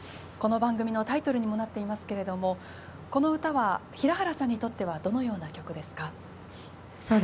この番組のタイトルにもなっていますけれどもこの歌は平原さんにとってはどのような曲ですか？